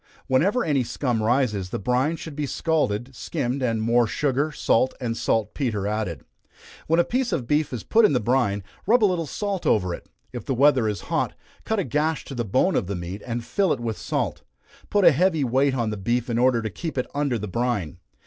Whenever any scum rises, the brine should be scalded, skimmed, and more sugar, salt and salt petre added. When a piece of beef is put in the brine, rub a little salt over it. If the weather is hot, cut a gash to the bone of the meat, and fill it with salt. Put a heavy weight on the beef in order to keep it under the brine.